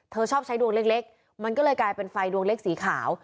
ชอบใช้ดวงเล็กมันก็เลยกลายเป็นไฟดวงเล็กสีขาว